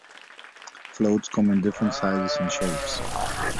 Floats come in different sizes and shapes.